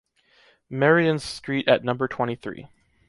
Meriens street at number twenty three